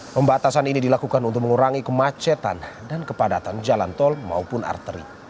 pembatasan ini dilakukan untuk mengurangi kemacetan dan kepadatan jalan tol maupun arteri